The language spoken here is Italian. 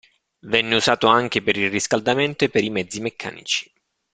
Venne usato anche per il riscaldamento e per i mezzi meccanici.